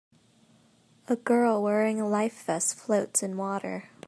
A girl wearing a life vest floats in water.